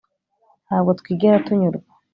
Ntabwo twigera tunyurwa